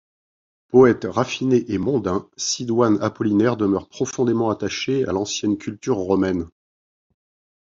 Poète raffiné et mondain, Sidoine Apollinaire demeure profondément attaché à l’ancienne culture romaine.